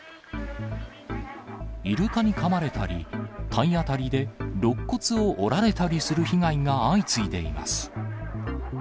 イルカにかまれたり、体当たりでろっ骨を折られたりする被害が相次いでいます。